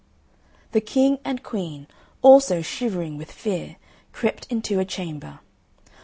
The King and Queen, also, shivering with fear, crept into a chamber.